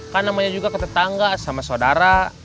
kan namanya juga ke tetangga sama saudara